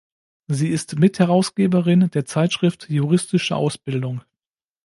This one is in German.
Sie ist Mitherausgeberin der Zeitschrift Juristische Ausbildung.